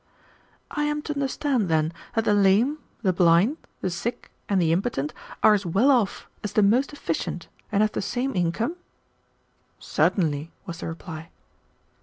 "I am to understand, then, that the lame, the blind, the sick, and the impotent, are as well off as the most efficient and have the same income?" "Certainly," was the reply.